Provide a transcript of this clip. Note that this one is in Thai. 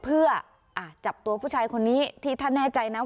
เพื่อจับตัวผู้ชายคนนี้ที่ท่านแน่ใจนะ